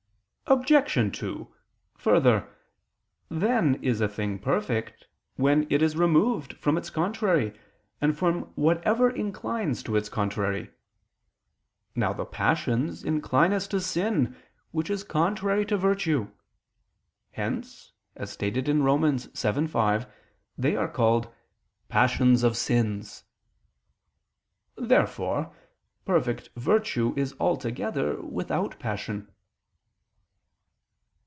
Obj. 2: Further, then is a thing perfect, when it is removed from its contrary and from whatever inclines to its contrary. Now the passions incline us to sin which is contrary to virtue: hence (Rom. 7:5) they are called "passions of sins." Therefore perfect virtue is altogether without passion.